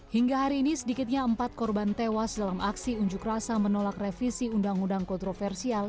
hingga hari ini sedikitnya empat korban tewas dalam aksi unjuk rasa menolak revisi undang undang kontroversial